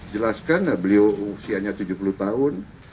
jelaskan beliau usianya tujuh puluh tahun